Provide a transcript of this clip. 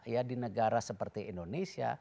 ya di negara seperti indonesia